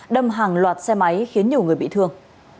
đâm hàng loạt xe máy khiến nhiều người bị thương